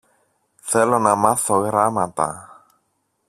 Θέλω να μάθω γράμματα.